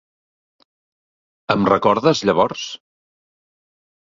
Em recordes, llavors?